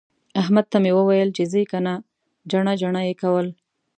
احمد ته مې وويل چې ځې که نه؟ جڼه جڼه يې کول.